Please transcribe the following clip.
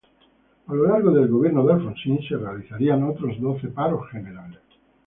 A lo largo del gobierno de Alfonsín se realizarían otros doce paros generales.